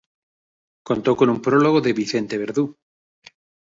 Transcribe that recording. Contó con un prólogo de Vicente Verdú.